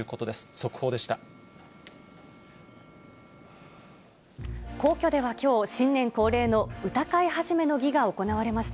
速報でした。